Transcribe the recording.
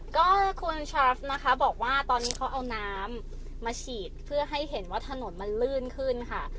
ก็คุณชาฟนะคะบอกว่าตอนนี้เขาเอาน้ำมาฉีดเพื่อให้เห็นว่าถนนมันลื่นขึ้นค่ะ